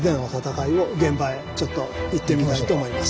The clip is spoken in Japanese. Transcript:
現場へちょっと行ってみたいと思います。